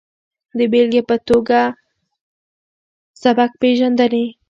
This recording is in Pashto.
د بېلګې په ټوګه سبک پېژندنې